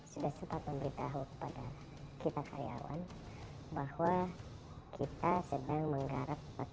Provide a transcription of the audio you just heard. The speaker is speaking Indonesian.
sudah sempat memberitahu kepada kita karyawan bahwa kita sedang menggarap pekerjaan di ktp